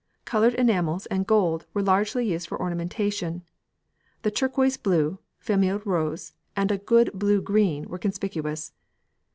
Coloured enamels and gold were largely used for ornamentation, the turquoise blue, "famille rose," and a good blue green were conspicuous.